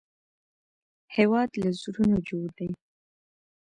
هېواد له زړونو جوړ دی